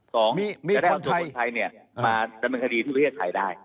๒จะได้เอาคนไทยมาดำเนินคดีที่ประเทศไทยได้